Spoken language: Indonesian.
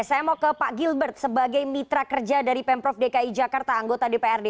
saya mau ke pak gilbert sebagai mitra kerja dari pemprov dki jakarta anggota dprd